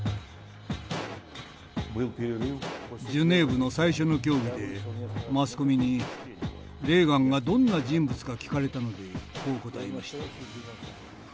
ジュネーブの最初の協議でマスコミにレーガンがどんな人物か聞かれたのでこう答えました。